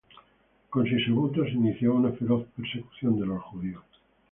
Con Sisebuto se inició una feroz persecución de los judíos.